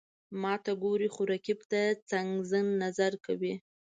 ماته ګوري، خو رقیب ته څنګزن نظر کوي.